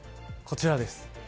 こちらです。